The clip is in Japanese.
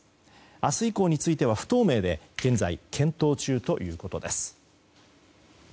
明日以降については不透明で現在、検討中ということです。